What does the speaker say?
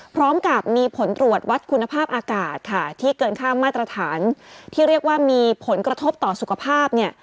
พร้อมกับมีผลตรวจวัดคุณภาพอากาศค่ะที่เกินข้ามมาตรฐานที่เรียกว่ามีผลกระทบต่อสุขภาพเนี่ย